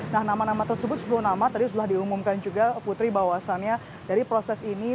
nah nama nama tersebut sepuluh nama tadi sudah diumumkan juga putri bahwasannya dari proses ini